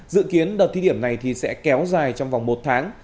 dự kiến đợt thi điểm này sẽ kéo dài trong vòng một tháng